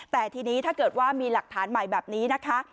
แต่ทีนี้ถ้าเกิดว่ามีหลักฐานใหม่แบบนี้นะคะ